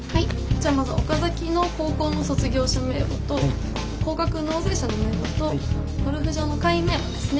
じゃあまず岡崎の高校の卒業者名簿と高額納税者の名簿とゴルフ場の会員名簿ですね。